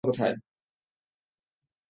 তাহলে রংধনু সাতটি রং পেল কোথায়।